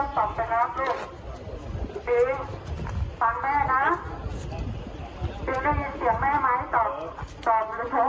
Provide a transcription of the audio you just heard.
จริงได้ยินแม่มาดู